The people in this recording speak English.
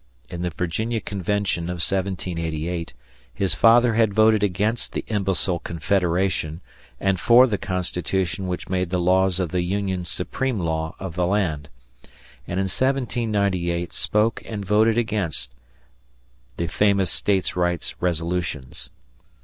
In the Virginia convention of 1788, his father had voted against the imbecile confederation and for the Constitution which made the laws of the Union supreme law of the land, and in 1798 spoke and voted against the famous States rights' resolutions.